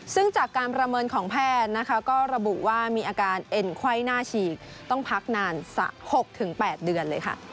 ซึ่งจากการประเมินของแพทย์นะคะก็ระบุว่ามีอาการเอ็นไข้หน้าฉีกต้องพักนานสัก๖๘เดือนเลยค่ะ